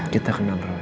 kita kenal roy